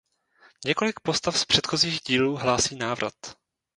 Několik postav z předchozích dílů hlásí návrat.